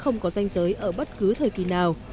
không có danh giới ở bất cứ thời kỳ nào